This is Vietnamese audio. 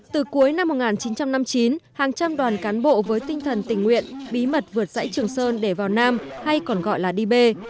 từ cuối năm một nghìn chín trăm năm mươi chín hàng trăm đoàn cán bộ với tinh thần tình nguyện bí mật vượt dãy trường sơn để vào nam hay còn gọi là đi bê